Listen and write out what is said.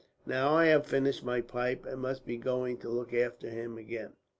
"Now I have finished my pipe, and must be going to look after him again."